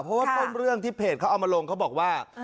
เพราะว่าต้นเรื่องที่เพจเขาเอามาลงเขาบอกว่า